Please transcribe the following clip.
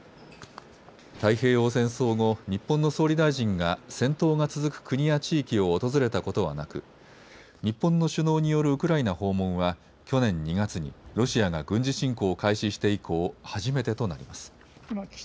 太平洋戦争後、日本の総理大臣が戦闘が続く国や地域を訪れたことはなく日本の首脳によるウクライナ訪問は去年２月にロシアが軍事侵攻を開始して以降、初めてとなります。